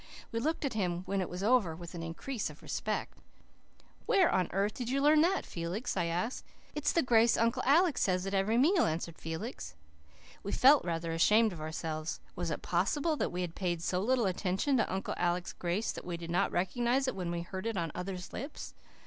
We looked at him when it was over with an increase of respect. "Where on earth did you learn that, Felix?" I asked. "It's the grace Uncle Alec says at every meal," answered Felix. We felt rather ashamed of ourselves. Was it possible that we had paid so little attention to Uncle Alec's grace that we did not recognize it when we heard it on other lips?